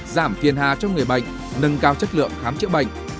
giảm phiền hà cho người bệnh nâng cao chất lượng khám chữa bệnh